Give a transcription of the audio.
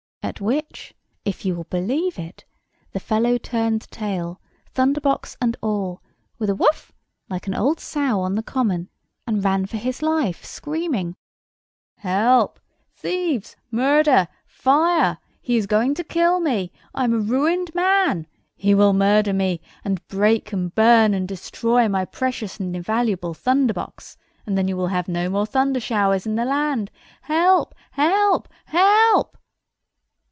At which, if you will believe it, the fellow turned tail, thunderbox and all, with a "Woof!" like an old sow on the common; and ran for his life, screaming, "Help! thieves! murder! fire! He is going to kill me! I am a ruined man! He will murder me; and break, burn, and destroy my precious and invaluable thunderbox; and then you will have no more thunder showers in the land. Help! help! help!"